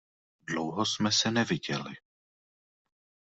Dlouho jsme se neviděli.